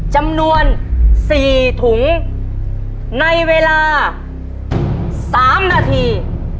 จำนวนสี่ถุงในเวลาสามนาที